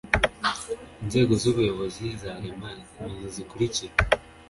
inzego z ubuyobozi za rema ni izi zikurikira